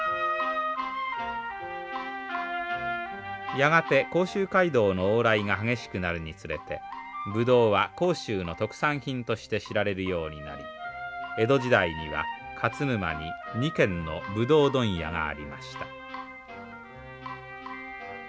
やがて甲州街道の往来が激しくなるにつれてブドウは甲州の特産品として知られるようになり江戸時代には勝沼に２軒のブドウ問屋がありました。